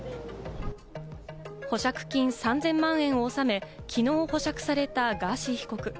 保釈金３０００万円を収め、きのう保釈されたガーシー被告。